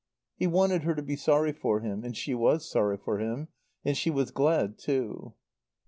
He wanted her to be sorry for him; and she was sorry for him. And she was glad too.